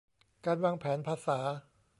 การวางแผนภาษา